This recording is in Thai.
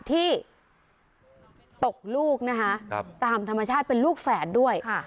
ที่โต๊ะลูกนะคะครับตามธรรมชาติเป็นลูกแฝดด้วยค่ะ